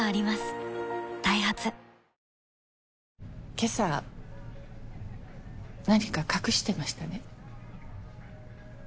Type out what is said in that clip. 今朝何か隠してましたね？